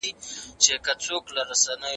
دا دنیا د نېکۍ د کرلو او شکر ایسهمېشهو ځای دی.